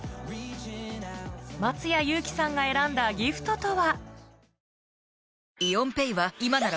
松谷優輝さんが選んだギフトとは？